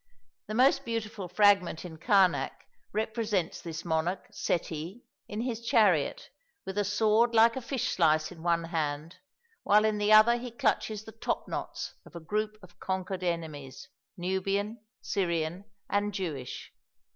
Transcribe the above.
The most beautiful fragment in Karnak represents this monarch, Seti, in his chariot, with a sword like a fish slice in one hand, while in the other he clutches the topknots of a group of conquered enemies, Nubian, Syrian, and Jewish.